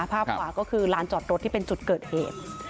ภาพขวาก็คือลานจอดรถที่เป็นจุดเกิดเหตุ